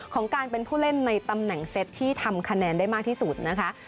ของการเป็นผู้เล่นในตำแหน่งเซตที่ทำคะแนนได้มากที่สุดนะคะ